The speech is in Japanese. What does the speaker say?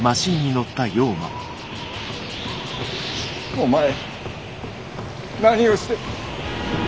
・お前何をして。